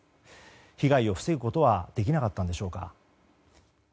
被害を防ぐことはできなかったんでしょうか。